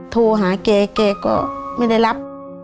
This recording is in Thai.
โทรหาแกแกก็ไม่ได้รับ